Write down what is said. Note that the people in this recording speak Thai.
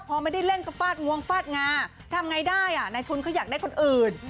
พอไม่ได้เล่นก็ฟาดงวงฟาดงาทำไงได้ในทุนเขาอยากได้คนอื่น